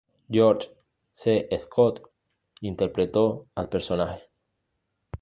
George C. Scott reinterpretó al personaje.